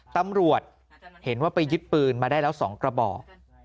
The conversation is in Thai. ตำรวจเห็นว่าไปยึดปืนมาได้แล้ว๒กระบอก